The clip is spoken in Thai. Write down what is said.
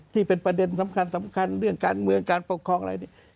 ที่เป็นประเด็นสำคัญเรื่องการเมืองการปกครองอะไรเนี่ย